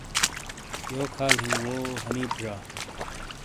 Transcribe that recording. یوک حال ہی وہوحنیپ ڙا؟